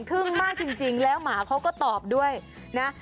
มากจริงแล้วหมาเขาก็ตอบด้วยนะ